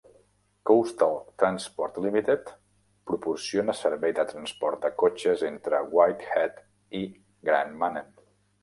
Coastal Transport Limited proporciona servei de transport de cotxes entre White Head i Grand Manan.